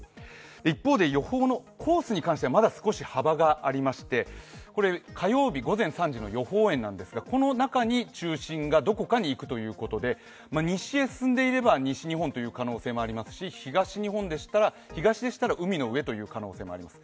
一方で予報のコースに関してはまだ少し幅がありましてこれ火曜日午前３時の予報円なんですが、この中に中心がどこかに行くということで西へ進んでいれば西日本という可能性もありますし東日本でしたら、東でしたら海の家という可能性もあります。